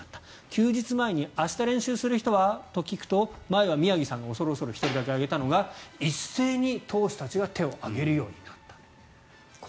休日前に明日、練習する人は？と聞くと前は宮城さんが恐る恐る１人だけ挙げたのが一斉に投手たちが手を挙げるようになった。